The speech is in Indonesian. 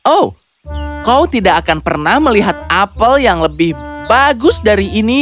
oh kau tidak akan pernah melihat apel yang lebih bagus dari ini